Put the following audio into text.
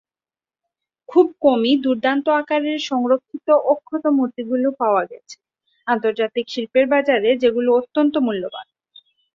খুব কমই দুর্দান্ত আকারের সংরক্ষিত অক্ষত মূর্তিগুলি পাওয়া গেছে, আন্তর্জাতিক শিল্পের বাজারে যেগুলো অত্যন্ত মূল্যবান।